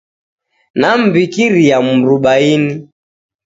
Namw'ikiria Mrubaini.